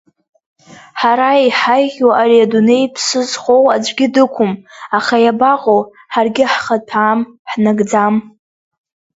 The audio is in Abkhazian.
Ҳара иҳаиӷьу ари адунеи ԥсы зхоу аӡәгьы дықәым, аха иабаҟоу ҳаргьы ҳхаҭәаам, ҳнагӡам…